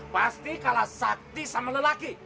pasti kalah sakti sama lelaki